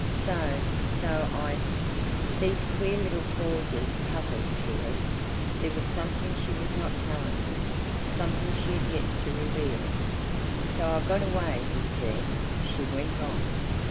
So so I " These queer little pauses puzzled T. X. There was something she was not telling him. Something she had yet to reveal. "So I got away you see," she went on.